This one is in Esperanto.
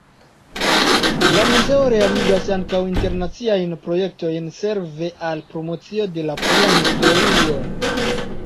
La muzeo realigas ankaŭ internaciajn projektojn, serve al promocio de la pola historio.